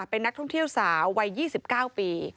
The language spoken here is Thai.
เป็นนักท่องเที่ยวสาววัย๒๙ปี